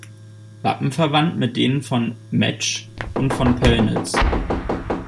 Wappenverwandt mit den von Metzsch und von Pölnitz.